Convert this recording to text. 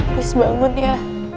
riz bangun ya